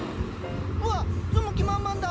うわっ住む気満々だ！